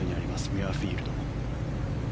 ミュアフィールド。